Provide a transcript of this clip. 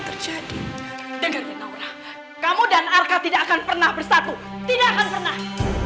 terjadi dengan menaura kamu dan arka tidak akan pernah bersatu tidak akan pernah